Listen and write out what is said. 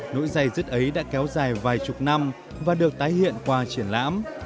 nỗi dây dứt ấy đã kéo dài vài chục năm và được tái hiện qua triển lãm